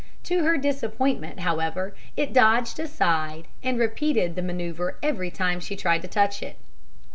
To her disappointment, however, it dodged aside, and repeated the manoeuvre every time she tried to touch it.